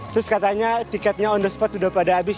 terus katanya tiketnya on the spot udah pada habis